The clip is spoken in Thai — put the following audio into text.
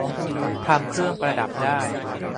ทำเครื่องประดับได้